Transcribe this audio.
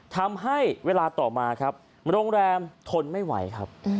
ทำให้เวลาต่อมาครับโรงแรมทนไม่ไหวครับ